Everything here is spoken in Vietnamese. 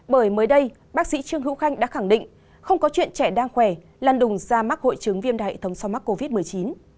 bởi mới đây bác sĩ trương hữu khanh đã khẳng định không có chuyện trẻ đang khỏe lăn đùng ra mắc hội chứng viên đại hệ thống sau mắc covid một mươi chín